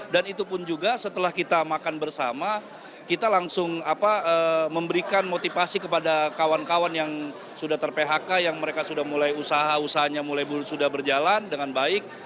dan juga setelah kita makan bersama kita langsung memberikan motivasi kepada kawan kawan yang sudah ter phk yang mereka sudah mulai usaha usahanya mulai sudah berjalan dengan baik